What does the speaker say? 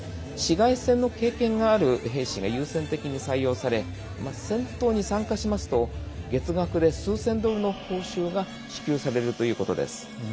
市街戦の経験がある兵士が優先的に採用され戦闘に参加しますと月額で数千ドルの報酬が支給されるということです。